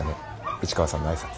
市川さんの挨拶。